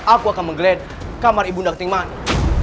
aku akan menggeledah kamar ibu nda ketikmani